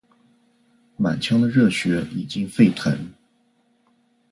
满腔的热血已经沸腾，